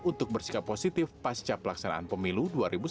untuk bersikap positif pasca pelaksanaan pemilu dua ribu sembilan belas